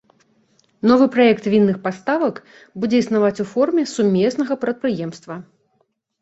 Новы праект вінных паставак будзе існаваць у форме сумеснага прадпрыемства.